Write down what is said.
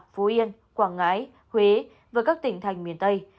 phú yên quảng ngãi huế và các tỉnh thành miền tây